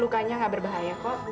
luka lukanya gak berbahaya kok